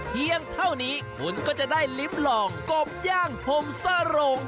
เพียงเท่านี้คุณก็จะได้ลิ้มลองกบย่างพรมสโรง